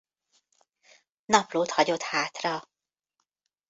Naplót hagyott hátra.